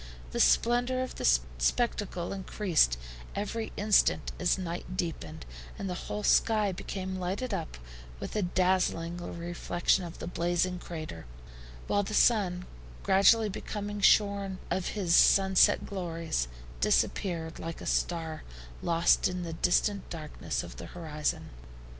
The splendor of the spectacle increased every instant as night deepened, and the whole sky became lighted up with a dazzling reflection of the blazing crater, while the sun, gradually becoming shorn of his sunset glories, disappeared like a star lost in the distant darkness of the horizon.